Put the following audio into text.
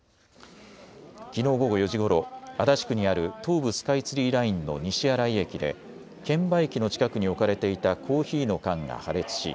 きのう午後４時ごろ、足立区にある東武スカイツリーラインの西新井駅で券売機の近くに置かれていたコーヒーの缶が破裂し